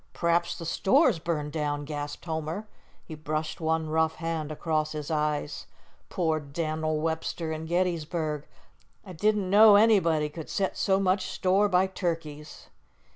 "P'r'aps the store's burned down," gasped Homer. He brushed one rough hand across his eyes. "Poor Dan'l Webster an' Gettysburg! I didn't know anybody could set so much store by turkeys."